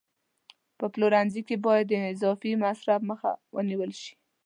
په پلورنځي کې باید د اضافي مصرف مخه ونیول شي.